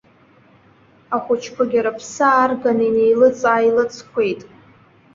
Ахәыҷқәагьы рыԥсы аарган, инеилыҵ-ааилыҵқәеит.